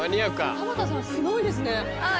田畑さんすごいですね。